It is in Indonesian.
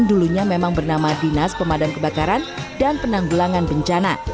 dulunya memang bernama dinas pemadam kebakaran dan penanggulangan bencana